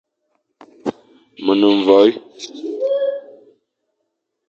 Me ne mvoè;